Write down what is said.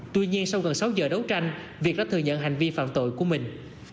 tuy nhiên sau gần sáu giờ đấu tranh việt đã thừa nhận hành vi phạm tội của mình